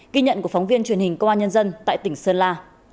ghi nhận của phóng viên truyền hình công an nhân dân tại tỉnh sơn la